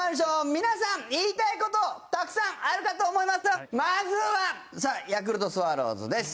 皆さん言いたい事たくさんあるかと思いますがまずはさあヤクルトスワローズです。